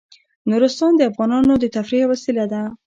نورستان د افغانانو د تفریح یوه وسیله ده.